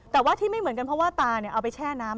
แต่ว่าที่ไม่เหมือนกันเพราะว่าตาเอาไปแช่น้ำ